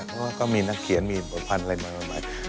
เพราะว่าก็มีนักเขียนมีบทภัณฑ์อะไรมาใหม่